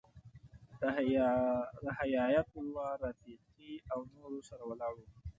له حیایت الله رفیقي او نورو سره ولاړو.